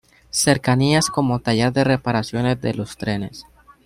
Cercanías como taller de reparaciones de los trenes.